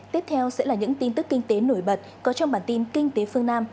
tiếp theo sẽ là những tin tức kinh tế nổi bật có trong bản tin kinh tế phương nam